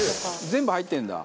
全部入ってるんだ。